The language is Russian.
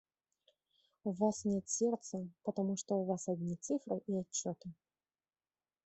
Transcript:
В Вас нет сердца, потому что у Вас одни цифры и отчеты!